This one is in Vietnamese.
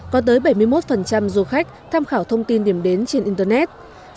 có tới bảy mươi một du khách tham khảo thông tin điểm đến trên internet